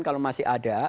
kalau masih ada